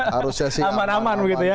harusnya sih aman aman